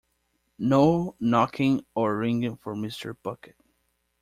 No knocking or ringing for Mr. Bucket.